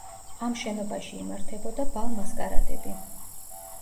ამ შენობაში იმართებოდა ბალ-მასკარადები.